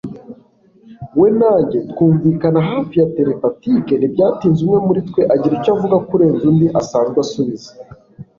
We na njye twunvikana hafi ya telepathic Ntibyatinze umwe muri twe agira icyo avuga kurenza undi asanzwe asubiza